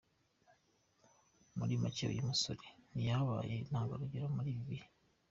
Muri make uyu musore ntiyabaye intangarugero muri ibi bihe.